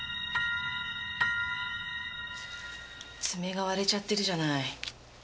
爪が割れちゃってるじゃない。